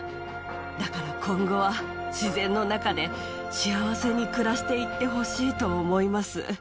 だから今後は自然の中で幸せに暮らして行ってほしいと思います。